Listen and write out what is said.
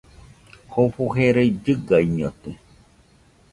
Jofo jerai llɨgaiñote